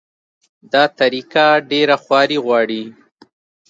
دا طریقه ډېره خواري غواړي.